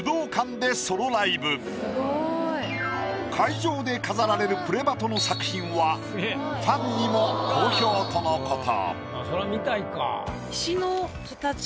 会場で飾られる「プレバト‼」の作品はファンにも好評とのこと。